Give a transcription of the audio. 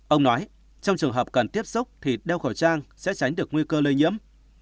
ông nói trong trường hợp cần tiếp xúc thì đeo khẩu trang sẽ tránh được nguy cơ lây nhiễm